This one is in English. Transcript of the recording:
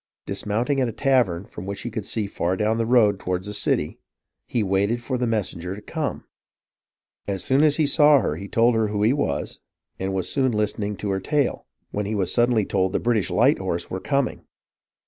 Dismounting at a tavern from which he could see far down the road toward the city, he waited for the messen ger to come. As soon as he saw her he told her who he was, and was soon listening to her tale, when he was sud denly told the British light horse were coming.